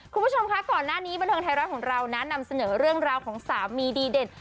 คุณผู้ชมคะก่อนหน้านี้บันเทิงไทยรัฐของเรานะนำเสนอเรื่องราวของสามีดีเด่น